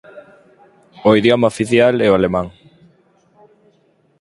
O idioma oficial é o alemán.